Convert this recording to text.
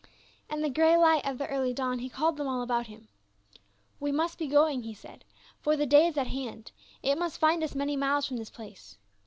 In the gray light of the early dawn, he called them all about him. "We must be going," he said, "for the day is at hand ; it must finti us man}' miles from this place."